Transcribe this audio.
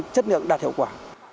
chất lượng đạt hiệu quả